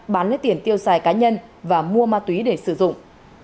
bán lấy tiền tiêu xài cá nhân và mua ma túy để sử dụng